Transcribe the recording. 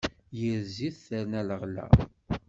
Yir zzit, terna leɣla.